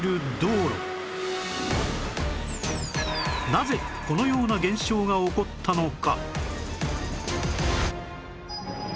なぜこのような現象が起こったのか？